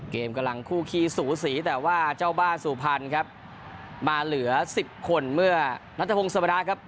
กำลังคู่ขี้สูสีแต่ว่าเจ้าบ้าสุพรรณครับมาเหลือสิบคนเมื่อนัทพงศวระครับ